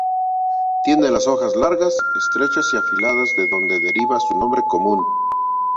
Tiene las hojas largas, estrechas y afiladas de donde deriva su nombre común.